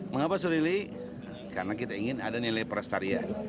mengapa surili karena kita ingin ada nilai perestarian